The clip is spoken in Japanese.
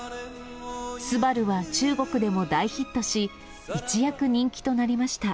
昴は中国でも大ヒットし、一躍、人気となりました。